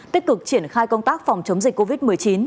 tích cực triển khai công tác phòng chống dịch covid một mươi chín